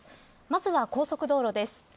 まずは高速道路です。